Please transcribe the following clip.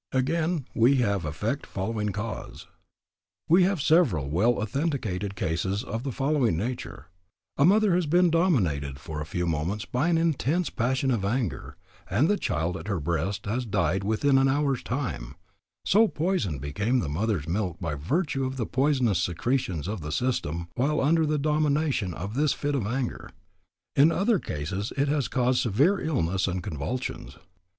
Again we have effect following cause. We have several well authenticated cases of the following nature: A mother has been dominated for a few moments by an intense passion of anger, and the child at her breast has died within an hour's time, so poisoned became the mother's milk by virtue of the poisonous secretions of the system while under the domination of this fit of anger. In other cases it has caused severe illness and convulsions.